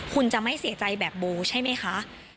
คุณจะไม่เสียใจแบบโบใช่ไหมคะ